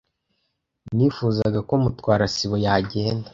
Nifuzaga ko Mutwara sibo yagenda.